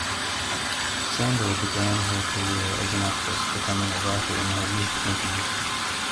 Sandor began her career as an actress, becoming a writer in her mid-twenties.